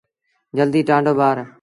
جلدي ٽآنڊو ٻآر۔